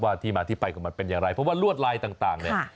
ที่มาที่ไปของมันเป็นอย่างไรเพราะว่าลวดลายต่างเนี่ย